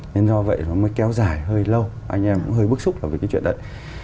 nên do vậy nó mới kéo dài hơi lâu anh em cũng hơi bức xúc là vì cái chuyện đấy